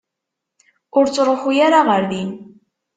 Ur ttṛuḥu ara ɣer din.